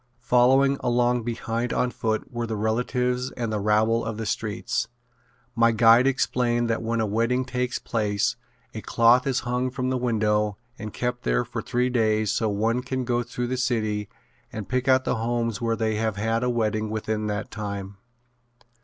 Following along behind on foot were the relatives and the rabble of the streets. My guide explained that when a wedding takes place a cloth is hung from the window and kept there for three days so one can go through the city and pick out the homes where they have had a wedding within that time.